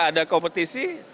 kalau tidak ada kompetisi